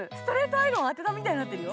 アイロンあてたみたいになってるよ